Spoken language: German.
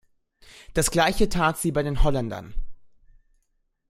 Das Gleiche tat sie bei den Holländern.